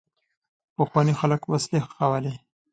پخواني خلک وسلې ښخولې.